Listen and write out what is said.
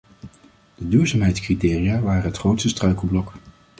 De duurzaamheidscriteria waren het grootste struikelblok.